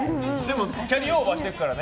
キャリーオーバーしてくからね。